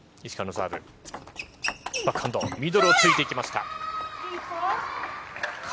ミドルをついていきました石川。